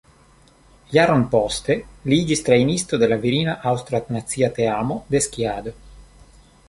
Jaron poste li iĝis trejnisto de la virina aŭstra nacia teamo de skiado.